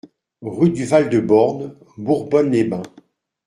Rue du Val de Borne, Bourbonne-les-Bains